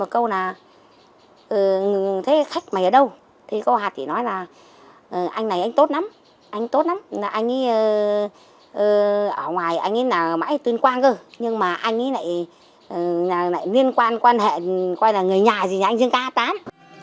anh ấy ở ngoài anh ấy là mãi tuyên quan cơ nhưng mà anh ấy lại liên quan quan hệ coi là người nhà gì nhà anh dương tám